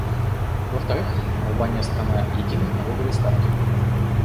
Во-вторых, Албания — страна единой налоговой ставки.